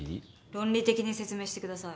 論理的に説明してください。